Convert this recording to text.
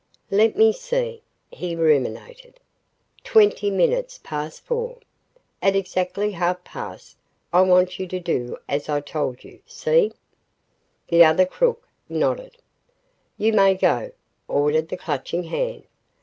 "Let me see," he ruminated. "Twenty minutes past four. At exactly half past, I want you to do as I told you see?" The other crook nodded. "You may go," ordered the Clutching Hand.